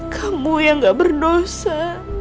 kamu yang gak berdosa